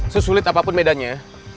sesulit apapun medannya